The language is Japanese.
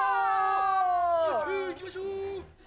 行きましょう！